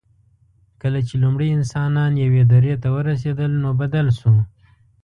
کله چې لومړي انسانان یوې درې ته ورسېدل، نو بدل شو.